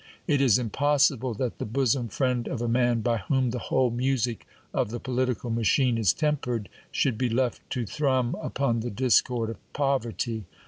It is impossible that the bosom friend of a man, by whom the whole music of the political machine is tempered, should be left to thrum upon the discord of poverty.